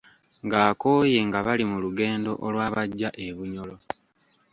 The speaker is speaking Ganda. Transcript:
Ng’akooye nga bali mu lugendo olwabajja e Bunyoro.